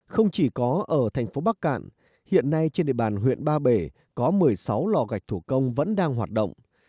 không chỉ có ở thành phố bắc cạn hiện nay trên địa bàn huyện ba bể có một mươi sáu lò gạch thủ công vẫn đang hoạt động